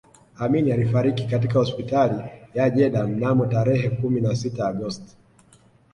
Amin alifariki katika hospitali ya Jeddah mnamo tarehe kumi na sita Agosti